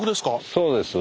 そうです。